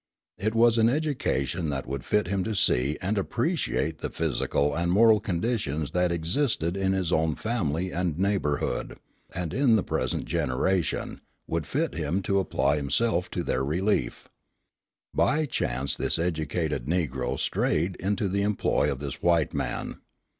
It was an education that would fit him to see and appreciate the physical and moral conditions that existed in his own family and neighbourhood, and, in the present generation, would fit him to apply himself to their relief. By chance this educated Negro strayed into the employ of this white man.